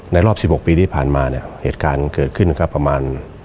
รอบ๑๖ปีที่ผ่านมาเนี่ยเหตุการณ์เกิดขึ้นครับประมาณ